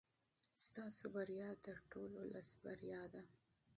ستاسو بریا د ټول ملت بریا ده.